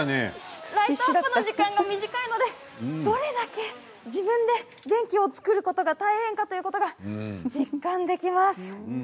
ライトアップの時間が少ないのでどれだけ自分で電気を作ることが大変だということが実感できます。